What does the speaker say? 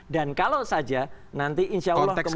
dan kalau saja nanti insya allah kemudian